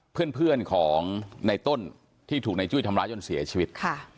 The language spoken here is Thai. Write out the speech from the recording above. เพื่อนของในต้นที่ถูกในจุ้ยทำร้ายจนเสียชีวิต